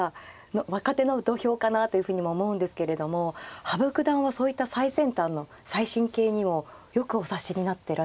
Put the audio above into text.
若手の土俵かなというふうにも思うんですけれども羽生九段はそういった最先端の最新型にもよくお指しになってらっしゃいますよね。